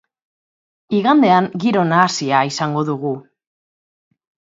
Igandean giro nahasia izango dugu.